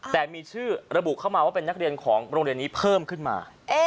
แต่มีชื่อระบุเข้ามาว่าเป็นนักเรียนของโรงเรียนนี้เพิ่มขึ้นมา